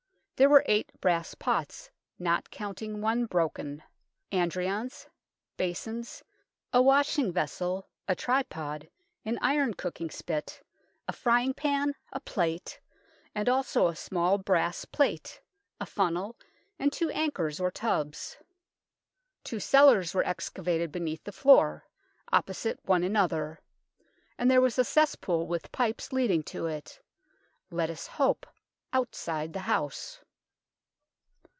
There were eight brass pots, not counting one broken, andirons, basins, a washing vessel, a tripod, an iron cooking spit, a frying pan, a plate, and also a small brass plate, a funnel, and two ankers or tubs. Two cellars were excavated beneath the floor, opposite one another, and there was a cesspool with pipes leading to it let us hope outside the house.